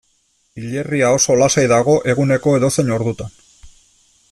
Hilerria oso lasai dago eguneko edozein ordutan.